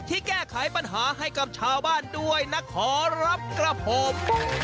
ที่แก้ไขปัญหาให้กับชาวบ้านด้วยนะขอรับกระผม